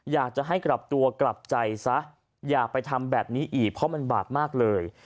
อยากจะให้กลับตัวกลับใจซะอย่าไปทำแบบนี้อีกเพราะมันบาปมากเลย